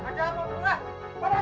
pak jarko berhenti